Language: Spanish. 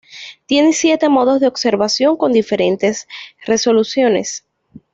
Tiene siete modos de observación con diferentes resoluciones.